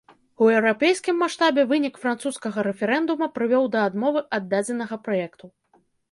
У еўрапейскім маштабе вынік французскага рэферэндума прывёў да адмовы ад дадзенага праекту.